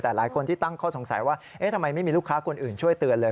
แต่หลายคนที่ตั้งข้อสงสัยว่าเอ๊ะทำไมไม่มีลูกค้าคนอื่นช่วยเตือนเลย